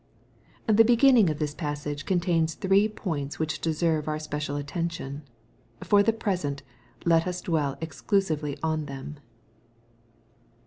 The beginning of this passage contains three points which deserve our special attention. For the present let OS dweU exclusively on them.